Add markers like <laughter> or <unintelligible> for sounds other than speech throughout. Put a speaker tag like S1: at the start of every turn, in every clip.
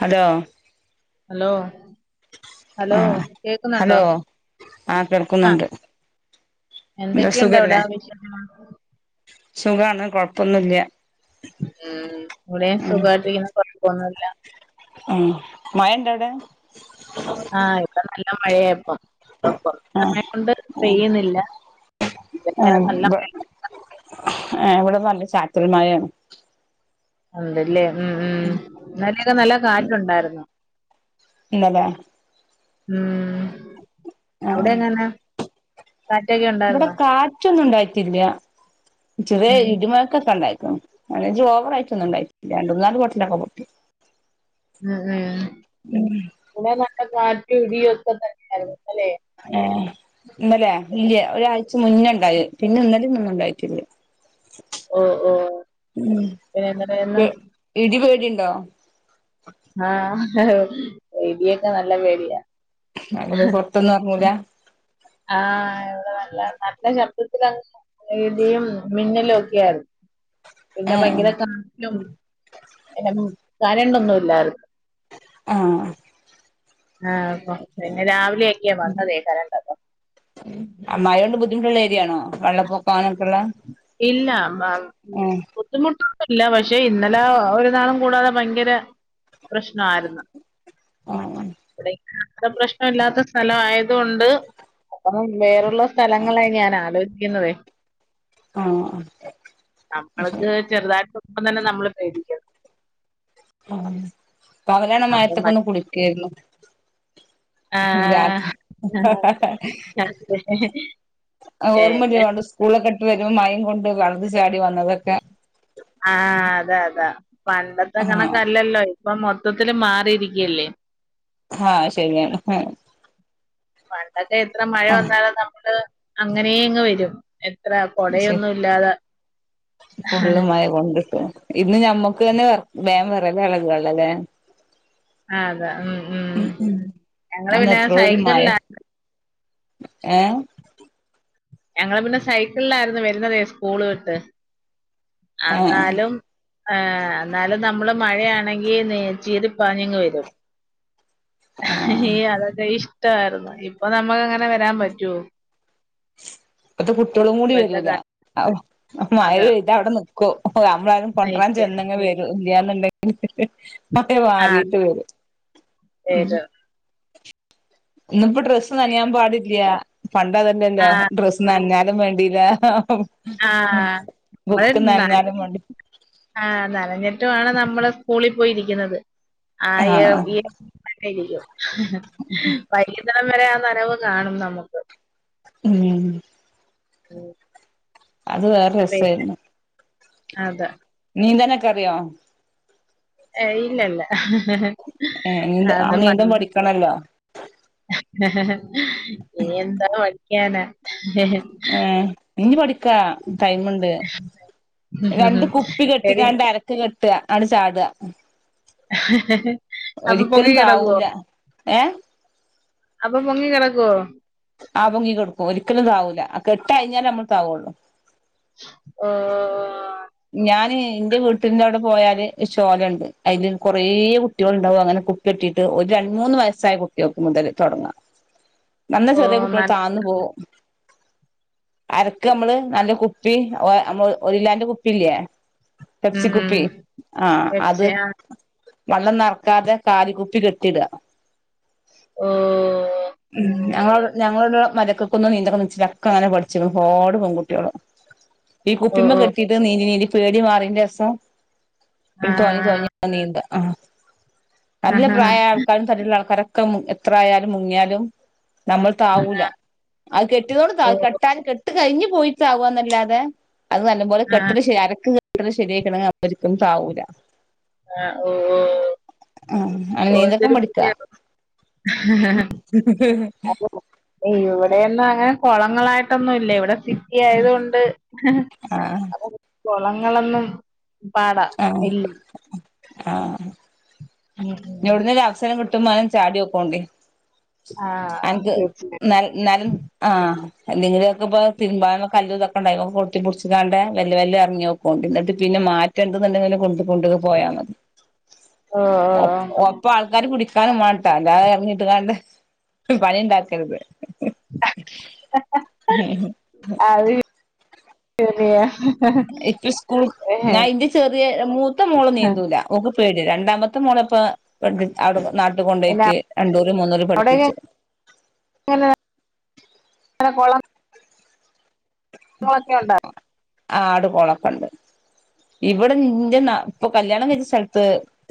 S1: Hello
S2: hello hello
S1: ആഹ്
S2: കേക്ക്ന്നുണ്ടോ
S1: hello ആഹ്
S2: ആഹ്
S1: കേൾക്കുന്നുണ്ട് എന്താ
S2: എന്തൊക്കെയുണ്ട്
S1: സുഖല്ലേ
S2: അവിടെ വിശേഷം
S1: സുഖാണ് കൊഴപ്പൊന്നുല്ല്യ
S2: ഉം ഇവിടെയും സുഖായിട്ടിരിക്കുന്നു കൊഴപ്പൊന്നുല്ല
S1: ആഹ് മയണ്ടവടെ
S2: ആഹ് ഇപ്പ നല്ല മഴയാ ഇപ്പം ആഹ് കൊറ
S1: ആഹ്
S2: സമയം കൊണ്ട് പെയ്യുന്നില്ല ഇത് വരെ നല്ലം
S1: ആഹ് ഇവടെ നല്ലം ചാറ്റൽമയേണ്
S2: ഉണ്ട്ല്ലേ ഉം ഉം ഇന്നലെയെക്കെ നല്ല കാറ്റുണ്ടായിരുന്നു
S1: ഇന്നലെ
S2: ഉം അവിടെ
S1: ആഹ്
S2: എങ്ങെനാ കാറ്റാെക്കെഉ
S1: ഇവിടെ കാറ്റൊന്നും ഉണ്ടായിറ്റില്യ ചെറിയ
S2: ഉം
S1: ഇടി മൊഴക്കൊക്കെ ഇണ്ടായ്ക്ക്ണ് ഐനഞ്ച് ഓവറായിറ്റാെന്നും ഇണ്ടായിട്ടില്ല രണ്ട് മൂന്നാല് ബൊട്ടലൊക്കെ പൊട്ടി
S2: ഉം ഉം ഇന്നെലെ നല്ല കാറ്റും ഇടിയൊക്കെ തന്നെയായിരുന്നു അല്ലേ
S1: ഏഹ് ഇന്നലെ ഇല്ല്യ ഒരായ്ച മുന്നെണ്ടായത് പിന്നെ ഇന്നലിം ഇന്നൊന്നും ഇണ്ടായിറ്റില്യ
S2: ഓ ഓ
S1: ഉം
S2: പിന്നെ എന്താ പറയുന്നെ
S1: പ് ഇടിപേടിണ്ടോ
S2: ആഹ് ഇടിയൊക്കെ നല്ല പേടിയാ
S1: മകള് പൊർത്തൊന്നും എർങ്ങൂല
S2: ആഹ് എവടെ നല്ല നല്ല ശബ്ദത്തിലാ ഇടിയും മിന്നലും ഒക്കെയാര്ന്നു
S1: ആ
S2: പിന്നെ ഭയങ്കര കാറ്റും ഇണ്ടായ്ന്നു കരണ്ടൊന്നും ഇല്ലാര്ന്നു ആഹ് അപ്പൊ പിന്നെ രാവിലെയെക്കെയാ വന്നതേ കരണ്ടൊക്കെ
S1: മയോണ്ട് ബുദ്ധിമുട്ട്ള്ള ഏരിയാണോ വെള്ളപ്പൊ പാനൊക്കെള്ളേ
S2: ഇല്ലാ ബാ <inaudible> ബുദ്ധിമുട്ടൊന്നുല്ല പക്ഷെ ഇന്നലാ ഒരുനാളും കൂടാതെ ഭയങ്കര പ്രശ്നായിര്ന്ന്
S1: ആ
S2: വിടെ ഇവടെ പ്രശ്നല്ലാത്ത സ്ഥലംവായത് കൊണ്ട് <unintelligible> ഇള്ള സ്ഥലങ്ങളെ ഞാൻ ആലോയിക്കുന്നതേ
S1: ആഹ് ആഹ്
S2: നമ്മൾക്ക് ചെറ്തായിട്ടൊപ്പം തന്നെ നമ്മള് പേടി
S1: ഉം പവലാണൊ
S2: അപ്പം മ
S1: മയത്ത്ക്കാെന്ന് കുളിക്കേര്ന്നു ഉം രാത്രി ഉം ഹ ഹ
S2: ആഹ്
S1: ഹ ആഹ് ഓർമ്മണ്ട്
S2: എന്നെ
S1: പണ്ട് സ്കൂളൊക്കെട്ട് വെരുമ്പാെ മയിം യിംകൊണ്ട് വള്ളത്ത് ചാടി വന്നതൊക്കെ
S2: ആഹ് അതാ അതാ പണ്ടത്തെ
S1: ആ
S2: കണക്കല്ലല്ലോ ഇപ്പം മൊത്തത്തില് മാറിയിരിക്കല്ലേ
S1: ആഹ് ശരിയാണ് ഹാ
S2: പണ്ടൊക്കെ എത്ര മഴ
S1: ആ
S2: വന്നാലും നമ്മക്ക് അങ്ങനേ യങ്ങ് വരും എത്ര കൊടയൊന്നും ഇല്ലാത
S1: ഫുള്ളും മയ കൊണ്ടിട്ട് ഇന്ന് ഞമ്മക്ക് തന്നെ വേം <unintelligible> അല്ലലേ
S2: ആഹ് അതെ ഉം
S1: ഉം ഉം
S2: ഞങ്ങള്
S1: അന്ന്
S2: പിന്നെ
S1: എത്രോള്ളൊരു മഴയാ
S2: സൈക്കിളിലാ
S1: ഏഹ്
S2: ഞങ്ങള് പിന്നെ സൈക്കിളിലായിരുന്നു വരുന്നതേ സ്കൂള് വിട്ട്
S1: ആ
S2: അന്നാലും ആഹ് അന്നാലും നമ്മള് മഴയാണെങ്കി ചീറിപ്പാഞ്ഞങ്ങ് വരും
S1: ആ
S2: അതൊക്കെ ഇഷ്ടവാരുന്നു ഇപ്പൊ നമുക്കങ്ങനെ വരാൻ പറ്റുവോ
S1: ഇപ്പത്തെ കുട്ടികളും കൂടി
S2: ഇപ്പോഴത്തെ
S1: വരൂല
S2: കാല
S1: മഴ
S2: അതാ
S1: പെയ്താവിടെ നിക്കും ഓഹ് നമ്മളാരെലും കൊണ്ട്രാൻ
S2: എനിക്ക്
S1: ചെന്നങ്കി വെരും ഇല്ല്യന്നുണ്ടെങ്കി അതെ
S2: ആഹ്
S1: മാറിട്ട് വരും ഉം
S2: ശരി
S1: ഇന്നിപ്പോ ഡ്രസ്സ് നനിയാൻ പാടില്ല്യ പണ്ടതല്ലല്ലോ
S2: ആഹ്
S1: ഡ്രസ് നനഞ്ഞാലും വേണ്ടീല്ല
S2: ആഹ് നമ്മള് നന
S1: വേണ്ടി
S2: ആഹ് നനഞ്ഞിട്ടും ആണ് നമ്മള് സ്കൂളി പോയിരിക്കുന്നത് ആഹ് <unintelligible> വൈകുന്നടം വരെ ആ നനവ് കാണും നമുക്ക്
S1: ഉം
S2: ഓഹ്
S1: അത് വേറെ
S2: പിന്നെ അതെ
S1: നീന്താനക്കറിയോ
S2: ഏയ് ഇല്ലല്ല
S1: ഏഹ് നീന്ത അപ്പൊ
S2: അതൊന്നും
S1: നീന്തം പഠിക്കണല്ലോ
S2: ഇനി എന്താ മടിയ്ക്കാന <unintelligible>
S1: ഏഹ് ഇന്നി പഠിക്കാ ടൈമുണ്ട് രണ്ട് കുപ്പി
S2: ശരി
S1: കെട്ടിക്കാണ്ട് അരക്ക കെട്ടുക ആട്ചാടുക
S2: അപ്പൊ പൊങ്ങി കെടക്കുവോ
S1: താവൂല ഏ
S2: അപ്പൊ പൊങ്ങിക്കെടക്കുവോ
S1: ആഹ് പൊങ്ങി കെടുക്കും ഒരിക്കലും താവൂല കെട്ട് കഴിഞ്ഞാലേ നമ്മൾ താവുള്ളൂ
S2: ആഹ്
S1: ഞാൻ ന്റെ വീട്ടിന്റെ അവിടെ പോയാല് ശോല ഉണ്ട് അയില് കൊറേ കുട്ട്യോളുണ്ടാവും അങ്ങനെ കു കെട്ടിയിട്ട് ഒരു രണ്ട് മൂന്ന് വയസ്സായ കുട്ടിയോൾക്ക് മുതൽ തുടങ്ങാം
S2: <inaudible>
S1: നല്ല ചെറിയ കുട്ടികൾ
S2: നല്ല
S1: താന്നു പോവും അരക്ക് നമ്മള് നല്ല കുപ്പി നമ്മള് ഒരിലോന്റെ കുപ്പില്ലേ
S2: ഉം
S1: പെപ്സിക്കുപ്പി ആഹ് അത്
S2: വെച്ച് ആ
S1: വെള്ളം നെറക്കാതെ കാലി കുപ്പി കെട്ടിടാ ഉം ഞങ്ങ ഞങ്ങളടെ മരക്കൊക്കൊന്ന് നീന്തണൊന്ന്ച്ചിട്ടക്കങ്ങനെ പഠിച്ചിക്കണ് ഒരുപാട് പെണ്കുട്ടികള് ഈ കുപ്പിമ്മ കെട്ടീട്ട് നീന്തി നീന്തി പേടി മാറിൻ്റെ <unintelligible> തൊയഞ്ഞു തൊയഞ്ഞ് നീന്ത ആഹ് നല്ല പ്രായായ ആൾക്കാരും <unintelligible> ആൾക്കാരൊക്കെ <unintelligible> എത്രയാലും മുങ്ങിയാലും നമ്മളു താവൂല
S2: ഓരോരുത്തരും
S1: അത് കെട്ടിയതൊണ്ട് താഴ് കെട്ടാന് കെട്ട് കഴിഞ്ഞു പോയിട്ടാകുവന്നല്ലാതെ അത് നല്ലപോലെ കെ അത് ശരിയാ അരക്ക് കെട്ടിയക്കണ് ശരിയായിട്ടുണ്ടെൽ അവരു താവൂല
S2: ആഹ് ഓഹ്
S1: ആഹ് അങ്ങനെ നീന്തക്കം
S2: ഓരോരുത്തര്
S1: പഠിക്കാ
S2: പുതിയ <inaudible> ഇവിടെയൊന്നും അങ്ങനെ കൊളങ്ങളായിട്ടൊന്നും ഇല്ല ഇവിടെ ആയത് കൊണ്ട്
S1: ആഹ്
S2: അപ്പൊ കൊളങ്ങളൊന്നും പാടാ
S1: ആഹ്
S2: ഇല്ല
S1: ആഹ്
S2: ഉം ഉം
S1: എവുട്ന്നെഒരവസരം കിട്ടുമനും ചാട്യൊക്കോണ്ടി
S2: ആ
S1: അൻക്ക്
S2: തീർച്ചയായും
S1: ന്നൻ ന്നൻ ആഹ് എ നിങ്ങിലൊക്ക ഇപ്പൊ തിരുമ്പാാനൊക്ക കല്ലല്തൊക്കണ്ട കൊത്തിപ്പൊടിച്ചിക്കാണ്ട് വല്ല വല്ല ഇറങ്ങി നക്കോണ്ട് എന്നിട്ട് പിന്നെ മാറ്റ രണ്ടണ്ടെങ്കിലും കൊ കൊണ്ട പോയണത്
S2: ഓ ഓ ഓ.
S1: പ്പാൾക്കാര് പുടിക്കാനും വാൺട്ടാ. അല്ലാതെ ഇറങ്ങിട്ട് കാണ്ട് പണിണ്ടാക്കര്ത് ഹും ഹും
S2: ശരിയ
S1: ഇപ്പ സ്കൂൾ ഞാ ഇന്റെ ചെറിയ മൂത്ത മോള് നീന്തൂല ഓക്ക് പേട്യാ. രണ്ടാമത്തെ മോളെപ്പോ വിടെ നാട്ട്
S2: പിന്നെ
S1: കൊണ്ടപോക്ക് രണ്ടൂര മൂന്നൂര പഠിപ്പിച്ചു
S2: എങ്ങ കുളം നോക്കെണ്ട
S1: ആ ആട് കോളൊക്കെ ഉണ്ട് ഇവിടെന്റെ ഇപ്പൊ കല്യാണം കഴിച്ച സ്ഥലത്ത്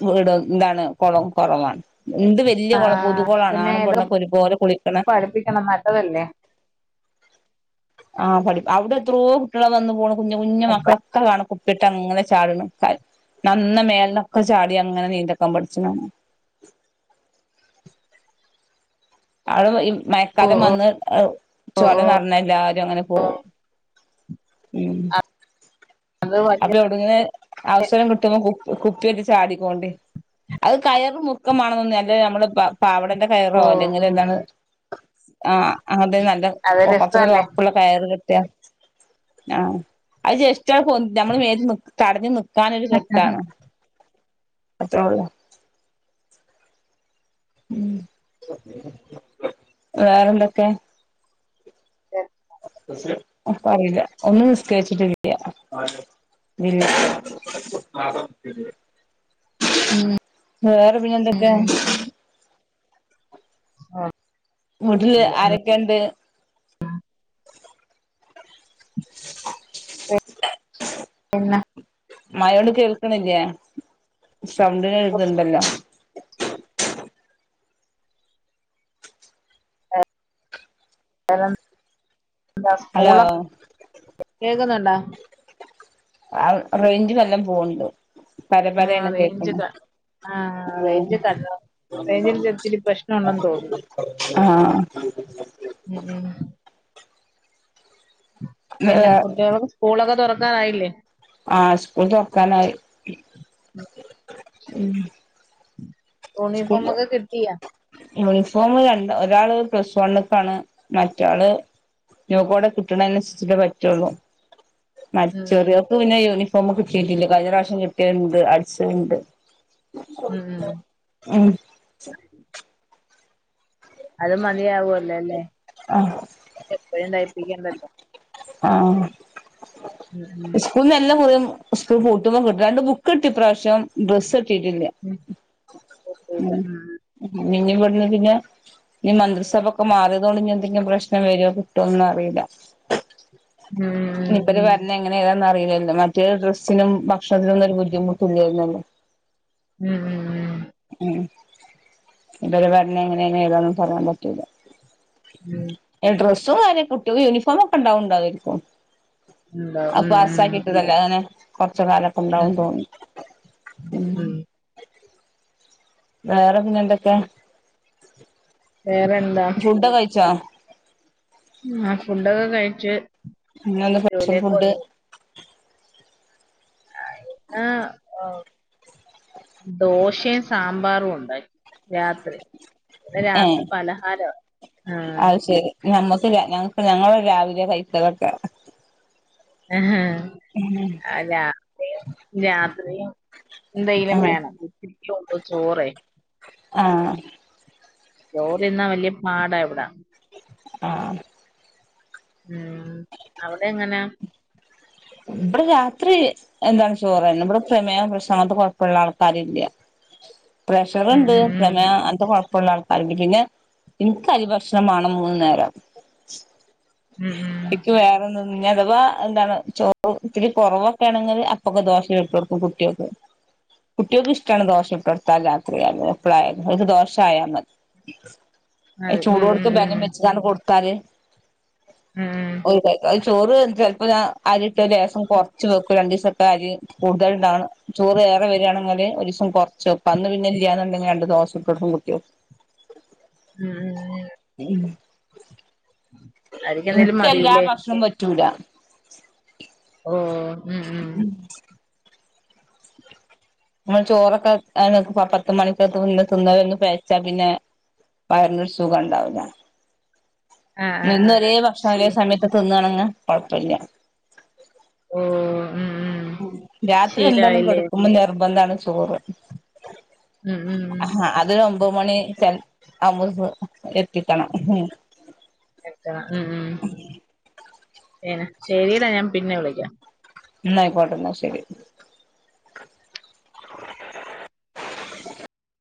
S1: വട ഇന്താണ് കുളവും കുറവാണ് ഇണ്ട് വല്യ കൊളം. പുതുകൊളാണ്.
S2: പിന്നെ
S1: ആണും
S2: ഇത്
S1: പെണ്ണൊക്കെ ഒരുപോലെ കുളിക്ക്‌ണെ
S2: പഠിപ്പിക്കണം നല്ലതല്ലേ
S1: ആ പഠി അവിടെ എത്രോ കുട്ട്യള് വന്ന്ന് പോണ് കുഞ്ഞു കുഞ്ഞു
S2: എപ്പ
S1: മക്കളെ ക്കകാണ കുപ്പിട്ട്ങ്ങനെ ചാട്ണ്. കാൽ നന്ന മേൽന്നൊക്കെ ചാട്യങ്ങനെ നീന്തക്കം പട്ച്ച്ന അവടെ ഈ മയക്കാലം വന്ന്
S2: ഓ
S1: ചോല നർഞ്ഞ എല്ലാരും അങ്ങനെ പോവും ഉം
S2: അത് വലിയ
S1: അപ്പയൗട് ന്ന് അവസരം കിട്ടുമ്പോ കു കുപ്പിഎറ്റ് ചാടിക്കോണ്ടി അത് കയറ് മുർക്കമാണന്നൊന്നുംല്ല. അന്റെ അമ്മള് പാവടന്റെ
S2: ഓ
S1: കയറോ അല്ലെങ്കില്
S2: ഉം
S1: എന്താണ്
S2: ഉം
S1: ആ അങ്ങൻതന്നെ നല്ല
S2: അത് രസല്ലേ
S1: കൊർച്ചൊക്കൊരൊർപ്പ്‌ള്ള കയറി കെട്ട്യ ഞാ അത് ജസ്റ്റട് പൊൻ ന്ത്യമ്മളെ മേത്ത് നിക് തട്ഞ് നിക്കാനൊരു കെട്ടാണ്. അത്രൊള്ളൂ ഉം വേറെന്തൊക്കെ
S2: ശ
S1: പറയില്ല ഒന്ന് നിസ്കരിച്ചിട്ട് ഇല്യ ബില്ല് <inaudible>
S2: ഉം
S1: വേറെ പിന്നെന്തൊക്കെ
S2: ഉം ആഹ്‌
S1: വീട്ടില് ആരൊക്കെ ണ്ട്
S2: പിന്നെ
S1: മയോടണ്ട് കേൾക്ക്‌ണില്ല്യേ സൗണ്ട് കേൾക്ക്ണ്ടല്ലോ
S2: ന്ത
S1: ഹലോ
S2: സ്കൂള കേക്കുന്നുണ്ടോ <inaudible>
S1: ആഹ്‌ റൈഞ്ച് നല്ലം പോവ്ണ്ട്. പര പരേണ് കേക്ക്‌ണത്
S2: ആഹ വെച കണ
S1: ആഹ <inaudible>
S2: ഉം ഉം പിന്നെ കുട്ടികൾക്ക് സ്കൂളൊക്കെ തുറക്കാറായില്ലേ
S1: ആഹ്‌ സ്കൂൾ തൊർക്കാനായി
S2: യൂണിഫോമൊക്കെ കിട്ടിയാ
S1: യൂണിഫോമ് രണ്ട് ഒരാള് പ്ലസ് വണ്ണ്ക്കാണ് മറ്റാള് നൂക്കൂടെ കിട്ടണ അനുസരിച്ചിട്ടേ പറ്റുള്ളൂ
S2: ഉം
S1: മറ്റെറിയ ക്ക്‌ പിന്നെ യൂണിഫോമ് കിട്ടിട്ടില്ല. കഴിഞ്ഞ പ്രാവശ്യം കിട്ടിയത്ണ്ട് അടിച്ചത് ണ്ട്
S2: ഉം
S1: ആഹ്
S2: അത് മതിയാവല്ലേ അല്ലേ
S1: ആഹ്
S2: എപ്പഴും തയ്പ്പിക്കേണ്ടല്ലോ
S1: ആഹ്
S2: ഉം ഉം
S1: സ്കൂളിന്ന് എല്ലാ കൊല്ലവും സ്കൂൾ പൂട്ടുമ്പോൾ കിട്ടലുണ്ട് രണ്ടു ബുക്ക് കിട്ടി ഇപ്രാവശ്യം ഡ്രസ്സ് കിട്ടിയിട്ടില്ല
S2: <inaudible>
S1: നിഞ്ഞ ഇവിടന്ന് പിന്നെ ഞ്ഞി മന്ത്രിസഭക്കെ മാറ്യേതോണ്ട് ഞ്ഞി എന്തെങ്കിലും പ്രശ്നം വെരോ കിട്ടുവോന്നറീല. മൂപ്പരെ ഭരണെ ങ്ങനെ ഏതാന്നറീല്ലല്ലോ മറ്റേത് ഡ്രസ്സിനും ഭക്ഷണത്തിനൊന്നും ഒര് ബുദ്ധിമുട്ടുല്ലൈരുന്നല്ലോ
S2: ഉം ഉം ഉം
S1: ഉം ഇബരെ ഭരണം എങ്ങനേണ് ഏതാന്ന് പറയാം പറ്റൂല്ല
S2: ഉം
S1: ഡ്രസ്സും കാര്യ കുട്ട്യാക്ക് യൂണിഫോമൊക്കെ ഉണ്ടാവണ്ടാവരിക്കും
S2: ഉം
S1: ആ
S2: ഉം ഉം
S1: പാസാക്കിട്ടതല്ലെ തഅങ്ങനെ കൊർച്ച് കാലൊക്കെ
S2: ഉം
S1: ണ്ടാവും തോന്നി ഉം വേറെ പിന്നെ ന്തൊക്കെ
S2: വേറെ എന്
S1: ഫുഡ്ഡോ കൈച്ചോ
S2: മ് ആഹ് ഫുഡൊക്കെ കൈച്ച്
S1: ഇന്നെന്താ സ്പെഷൽ ഫുഡ്
S2: ആഹ് ഓഹ് ദോശേം സാമ്പാറും ഒണ്ടായി രാത്രി ഇബിടെ
S1: ഏ
S2: രാത്രി പലഹാര ആഹ്
S1: അത് ശരി ഞമ്മക്ക് ഞങ്ങക്ക് ഞങ്ങള് രാവിലേ കൈക്കലൊക്കെ
S2: ആഹാ
S1: ഏഹ്
S2: അല്ലാ ഞാന് രാത്രീം
S1: ആ
S2: എന്തെങ്കിലും വേണം ഇത്തിരി ഒള്ളൂ ചോറേ
S1: ആഹ്
S2: ചോറിന്നാ വല്ല്യ പാടാ എവടെ
S1: ആഹ്
S2: ഉം അവടെ ങ്ങനാ
S1: ഇവടെ രാത്രി എന്താണ് ചോറെന്നെ ഇവടെ പ്രമേഹം, പ്രഷറ് അങ്ങൻത്തെ കൊഴപ്പള്ള ആൾക്കാര്ല്ല.
S2: ഉം
S1: പ്രഷറ്ണ്ട്
S2: ഉം
S1: പ്രമേഹ അങ്ങൻത്തെ പ്പള്ള ആൾക്കാര്ണ്ട് പിന്നെ ഇൻക്ക് അരി ഭക്ഷണം മാണം മൂന്ന് നേരം
S2: ഉം ഉം ഉം
S1: ഇക്ക് വേറെന്നും അഥവാ എന്താണ് ചോ ഇത്തിരി കൊറൊവൊക്കെ ണെങ്കില് അപ്പൊക്കെ ദോശ ചുട്ടൊട്ക്കും കുട്ട്യാക്ക് കുട്ട്യാക്ക് ഇഷ്ട്ടാണ് ദോശ ചുട്ടൊട്ത്താൽ രാത്രി ആയാലും എപ്പളായാലും ഓൽക്ക് ദോശായാ മതി
S2: അതെ ഉം ഉം
S1: ചൂടോട്ക്കെ ബെലം
S2: ഉം
S1: വെച്ച്ങ്ങാണ്ട് കൊട്ത്താല്
S2: ഉം
S1: കഴിക്കും ചോറ് ചെലപ്പോ ഞാം അരിട്ട ലേസം കൊർച്ച് വെക്കും രണ്ടീസട്ടാ അരി കൂടുതല് ണ്ടാവ്ണ ചോറ് ഏറേണങ്കില് ഒരീസം കൊർച്ച് വെക്കും അന്ന് പിന്നെ ല്ലാന്ന്ണ്ടെങ്കില് രണ്ട് ദോശ ചുട്ടൊട്ക്കും കുട്ട്യാക്ക്
S2: ഉം ഉം ഉം
S1: ഉം
S2: അവർക്ക് എന്തേലും
S1: ഇൻക്കെ ല്ലാ
S2: മതിയില്ലേ
S1: ഭക്ഷണം പറ്റൂല
S2: ഓഹ്
S1: ഉം നമ്മൾ ചോറൊക്കെ അ പത്ത് മണിക്കകന്ന് ന്ന ഒന്ന് പേയച്ചാ പിന്നെ വയറിനൊര് സുഖ ണ്ടാവൂല.
S2: ആ, ആ,
S1: എന്നും
S2: ആ.
S1: ഒരേ ഭക്ഷണം ഒരേ
S2: ശരി.
S1: സമയത്ത് തിന്നാണങ്ക കൊഴപ്പല്ല.
S2: ഓഹ് മ് മ്
S1: ഉം രാത്രി എന്തായാലും കെടക്കുമ്പോ നിർബന്ധാണ് ചോറ്
S2: ഉം ഉം ഉം
S1: ആഹ് അത് ഒമ്പത് മണി <unintelligible> എത്തിക്കണം
S2: കഴിക്കണം ഉം ഉം എനാ ശരിടാ ഞാൻ പിന്നെ വിളിക്കാം
S1: ന്നാ ഐക്കോട്ടെ ന്നാ ശെരി